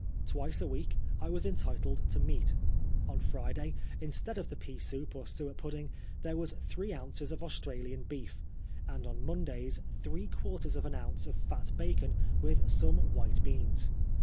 Twice a week I was entitled to meat. On fViday, instead of the pea soup or suet pudding, there was three ounces of Australian beef ; and on Mondays three quarters of an ounce of fat bacon with some white beans.